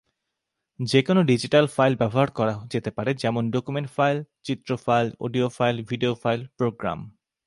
যে কোনও digital file ব্যবহার করা যেতে পারে যেমন ডকুমেন্ট ফাইল, চিত্র file, audio file, video file, programme.